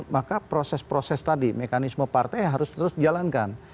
maka proses proses tadi mekanisme partai harus terus dijalankan